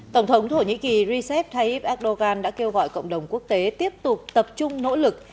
tổng thống thổ nhĩ kỳ recep tayyip erdogan đã kêu gọi cộng đồng quốc tế tiếp tục tập trung nỗ lực